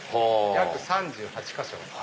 約３８か所。